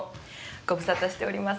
ご無沙汰しております。